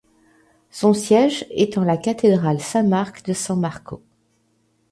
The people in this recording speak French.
Son siège est en la cathédrale Saint-Marc de San Marcos.